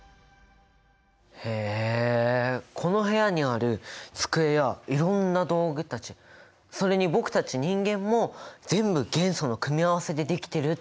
へえこの部屋にある机やいろんな道具たちそれに僕たち人間も全部元素の組み合わせでできてるってことだね。